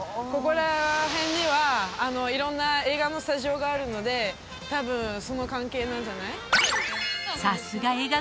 ここら辺には色んな映画のスタジオがあるので多分その関係なんじゃない？